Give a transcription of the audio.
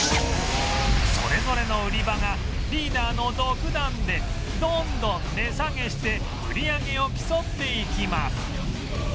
それぞれの売り場がリーダーの独断でどんどん値下げして売り上げを競っていきます